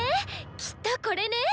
きっとこれね！